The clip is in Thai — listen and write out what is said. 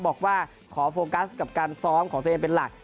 บอกว่าขอโฟกัสกับการซ้อมของตัวเองเป็นหลัก